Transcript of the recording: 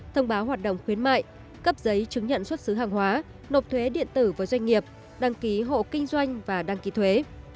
thông báo hoạt động khuyến mại cấp giấy chứng nhận xuất xứ hàng hóa nộp thuế điện tử với doanh nghiệp đăng ký hộ kinh doanh và đăng ký thuế